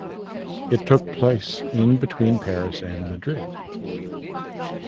It took place in between Paris and Madrid.